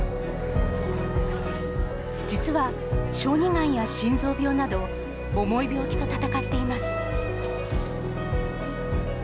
実は、小児がんや心臓病など、重い病気と闘っています。